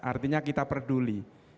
artinya kita peduli